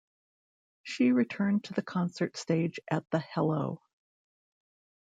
She returned to the concert stage at the Hello!